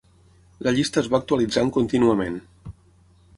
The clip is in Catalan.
La llista es va actualitzant contínuament.